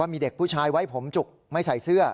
มีเด็กผู้ชายไว้ผมจุกไม่ใส่เสื้อ